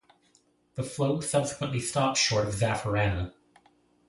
The flow subsequently stopped short of Zafferana.